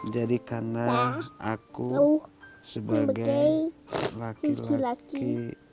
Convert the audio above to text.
jadi karena aku sebagai laki laki